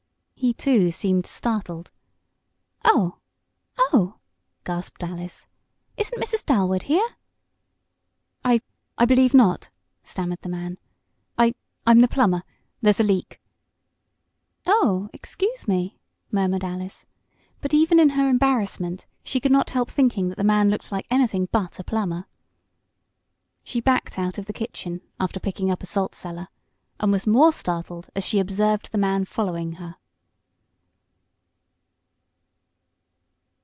He, too, seemed startled. "Oh Oh!" gasped Alice. "Isn't Mrs. Dalwood here?" "I I believe not," stammered the man. "I I'm the plumber there's a leak " "Oh, excuse me," murmured Alice, but even in her embarrassment she could not help thinking that the man looked like anything but a plumber. She backed out of the kitchen, after picking up a salt cellar, and was more startled as she observed the man following her.